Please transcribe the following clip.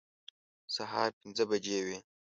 سهار پنځه بجې وې.